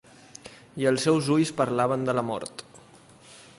I els seus ulls parlaven de la mort.